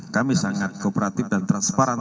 kami sangat kooperatif dan transparan